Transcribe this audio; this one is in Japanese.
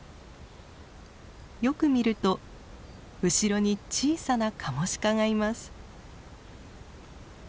よく見ると後ろに小さなカモシカがいます。